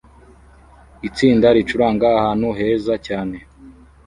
Itsinda ricuranga ahantu heza cyane